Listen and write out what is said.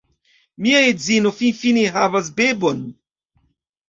Mia edzino finfine havas bebon!